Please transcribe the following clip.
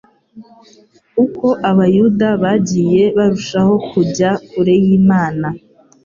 Uko abayuda bagiye barushaho kujya kure y'Imana